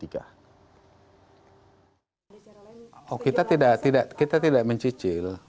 kita tidak mencicil